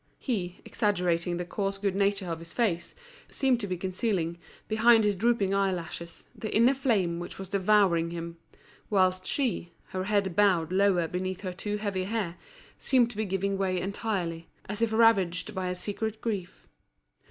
He, exaggerating the coarse good nature of his face, seemed to be concealing, behind his drooping eyelashes, the inner flame which was devouring him; whilst she, her head bowed lower beneath her too heavy hair, seemed to be giving way entirely, as if ravaged by a secret grief.